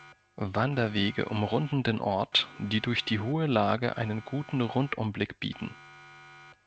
Wanderwege umrunden den Ort, die durch die hohe Lage einen guten Rundumblick bieten.